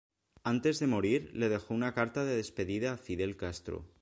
Antes de morir, le dejó una carta de despedida a Fidel Castro.